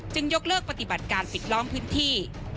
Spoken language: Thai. ยกเลิกปฏิบัติการปิดล้อมพื้นที่